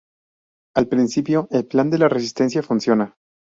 Al principio, el plan de la Resistencia funciona.